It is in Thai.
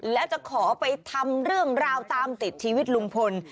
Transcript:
และจะขอไปทำเรื่องราวตามติดชีวิตลุงพล